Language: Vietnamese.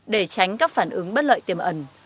để tránh các phản ứng bất lợi tiềm ẩn